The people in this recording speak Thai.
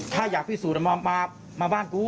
ถ้าอยากพิสูจน์มองมาบ้านกู